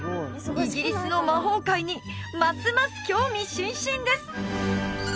イギリスの魔法界にますます興味津々です